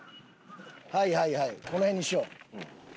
はいはいはいこの辺にしよう。